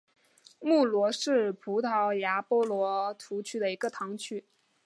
穆罗是葡萄牙波尔图区的一个堂区。